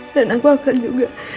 dan aku akan juga